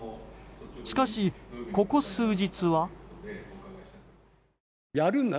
しかし、ここ数日は。